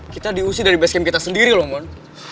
kita diusi dari base camp kita sendiri loh mohon